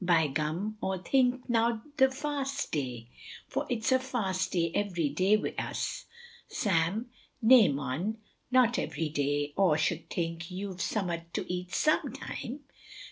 bye gum awe think nowt oth' fast day, for its a fast day every day wi' us. Sam Nay mon, not every day, awe shud think yo've summat to eat sum time.